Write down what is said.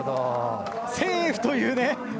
セーフというね。